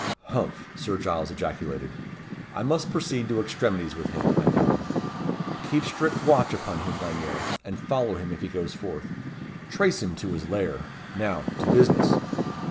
"Humph!" Sir Giles ejaculated. "I must proceed to extremities with him, I find. Keep strict watch upon him, Lanyere; and follow him if he goes forth. Trace him to his lair. Now to business.